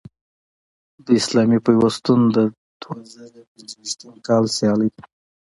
د اسلامي پیوستون د دوه زره پنځویشتم کال سیالۍ